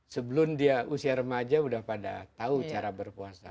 sebelum dia usia remaja sudah pada tahu cara berpuasa